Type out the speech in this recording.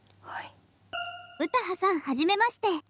・詩羽さんはじめまして。